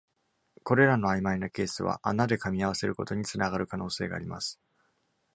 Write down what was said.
これらのあいまいなケースは、穴でかみ合わせることにつながる可能性があります。